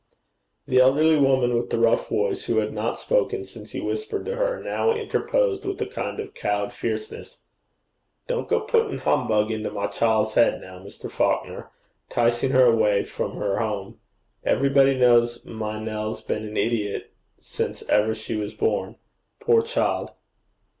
The elderly woman with the rough voice, who had not spoken since he whispered to her, now interposed with a kind of cowed fierceness. 'Don't go putting humbug into my child's head now, Mr. Falconer 'ticing her away from her home. Everybody knows my Nell's been an idiot since ever she was born. Poor child!'